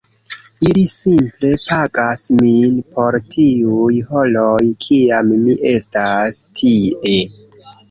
Ili simple pagas min por tiuj horoj kiam mi estas tie.